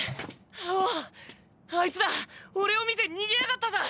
おおあいつらオレを見て逃げやがったぞ！